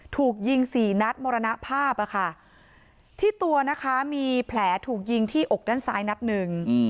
ถูกยิงสี่นัดมรณภาพอะค่ะที่ตัวนะคะมีแผลถูกยิงที่อกด้านซ้ายนัดหนึ่ง